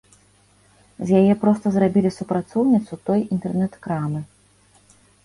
З яе проста зрабілі супрацоўніцу той інтэрнэт-крамы.